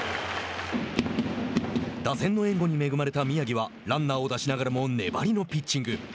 打線の援護に恵まれた宮城はランナーを出しながらも粘りのピッチング。